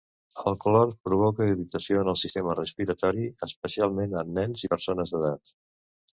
El clor provoca irritació en el sistema respiratori, especialment en nens i persones d'edat.